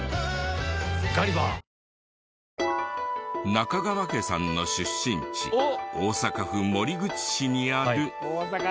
中川家さんの出身地大阪府守口市にある。